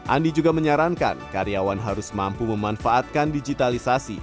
andi juga menyarankan karyawan harus mampu memanfaatkan digitalisasi